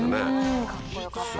かっこよかったです。